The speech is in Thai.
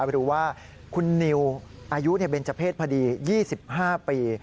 หรือว่าคุณนิวอายุเบนเจอร์เพศพอดี๒๕ปี